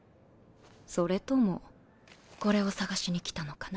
それともこれを捜しに来たのかな？